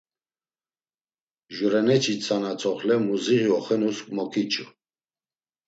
Jureneçi tzana tzoxle muziği oxenus moǩiç̌u.